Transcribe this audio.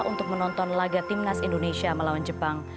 untuk menonton laga timnas indonesia melawan jepang